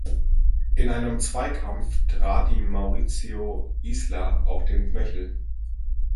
In einem Zweikampf trat ihm Mauricio Isla auf den Knöchel.